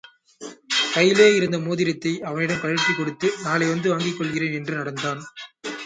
கையிலே இருந்த மோதிரத்தை அவனிடம் கழற்றிக் கொடுத்து, நாளை வந்து வாங்கிக்கொள்கிறேன் என்று நடந்தான்.